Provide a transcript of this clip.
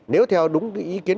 nếu theo đúng cái ý kiến